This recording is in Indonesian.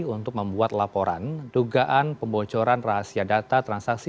untuk membuat laporan dugaan pembocoran rahasia data transaksi